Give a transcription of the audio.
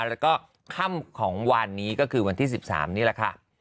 แล้วก็ค่ำของวันนี้ก็คือวันที่๑๓นี่แหละค่ะ